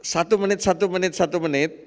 satu menit satu menit satu menit